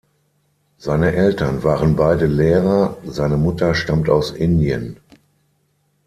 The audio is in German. Seine Eltern waren beide Lehrer, seine Mutter stammt aus Indien.